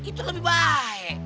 itu lebih baik